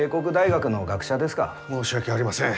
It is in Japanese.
申し訳ありません。